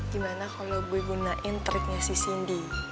gimana kalau gue gunain triknya si cindy